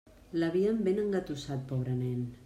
L'havien ben engatussat, pobre nen.